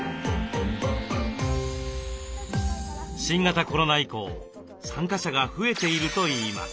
新型コロナ以降参加者が増えているといいます。